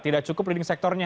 tidak cukup leading sektornya